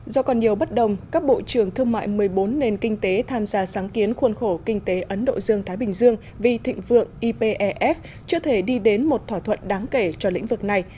do còn nhiều bất đồng các bộ trưởng thương mại một mươi bốn nền kinh tế tham gia sáng kiến khuôn khổ kinh tế ấn độ dương thái bình dương vì thịnh vượng ipef chưa thể đi đến một thỏa thuận đáng kể cho lĩnh vực này